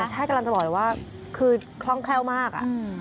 แต่ท่านกำลังจะบอกว่าคล่องแคล่วมาก